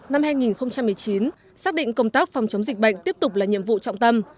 năm hai nghìn một mươi chín xác định công tác phòng chống dịch bệnh tiếp tục là nhiệm vụ trọng tâm